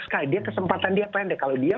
sekali dia kesempatan dia pendek kalau dia